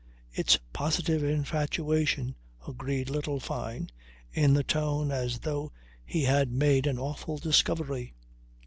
"It's positive infatuation," agreed little Fyne, in the tone as though he had made an awful discovery.